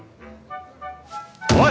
おい！